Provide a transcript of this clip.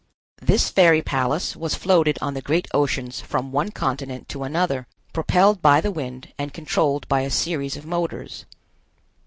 This fairy palace was floated on the great oceans from one continent to another, propelled by the wind and controlled by a series of motors.